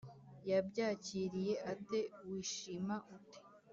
Yabyakiriye ate? Wishima ute